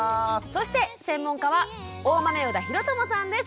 そして専門家は大豆生田啓友さんです。